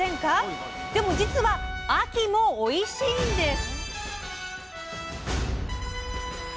でも実は秋もおいしいんです！